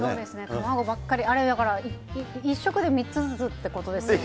卵ばっかりあれだから、１食で３つずつということですよ